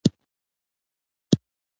اتلسمه او نولسمه پېړۍ د شکستونو وې.